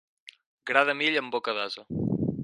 Gra de mill en boca d'ase.